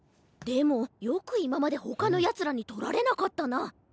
でもよくいままでほかのやつらにとられなかったな。